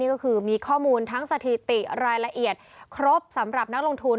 ก็คือมีข้อมูลทั้งสถิติรายละเอียดครบสำหรับนักลงทุน